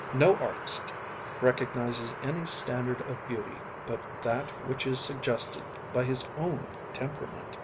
No artist recognises any standard of beauty but that which is suggested by his own temperament.